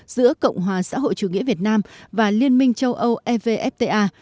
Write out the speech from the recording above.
giữa cộng hòa xã hội chủ nghĩa việt nam và liên minh châu âu evfta